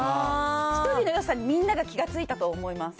１人のよさにみんなが気がついたと思います。